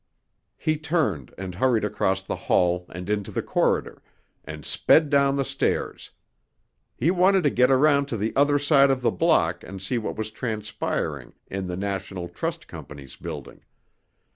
He turned and hurried across the hall and into the corridor, and sped down the stairs. He wanted to get around to the other side of the block and see what was transpiring in the National Trust Company's building.